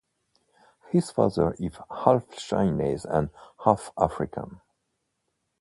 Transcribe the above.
His father is half Chinese and half African.